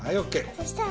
そしたら？